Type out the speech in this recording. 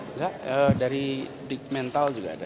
enggak dari dikmental juga ada